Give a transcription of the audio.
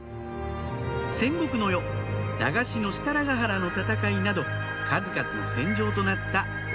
戦国の世長篠・設楽原の戦いなど数々の戦場となった奥